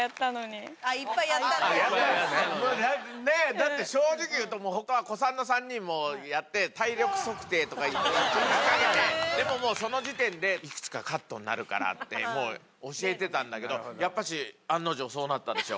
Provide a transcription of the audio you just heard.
だって正直言うと他古参の３人もやって体力測定とか１日かけてでももうその時点で「いくつかカットになるから」ってもう教えてたんだけどやっぱし案の定そうなったでしょ？